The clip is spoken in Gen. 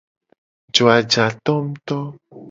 Jo ajato nguto.